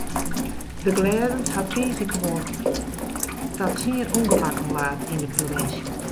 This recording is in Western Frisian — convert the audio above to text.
De glêdens hat tiissdeitemoarn ta tsien ûngemakken laat yn de provinsje.